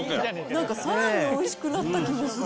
なんかさらにおいしくなった気もする。